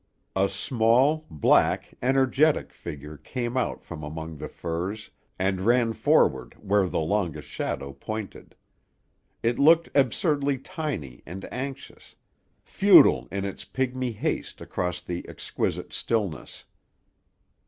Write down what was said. A small, black, energetic figure came out from among the firs and ran forward where the longest shadow pointed. It looked absurdly tiny and anxious; futile, in its pigmy haste, across the exquisite stillness.